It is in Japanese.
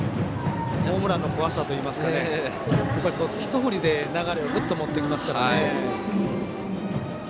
ホームランの怖さといいますか一振りで流れをぐっと持ってきますからね。